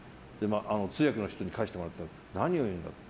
通訳の人に介してもらったら何を言うんだ。